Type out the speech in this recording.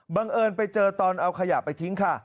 เอิญไปเจอตอนเอาขยะไปทิ้งค่ะ